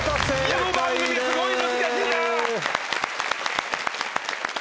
この番組すごい難しいな。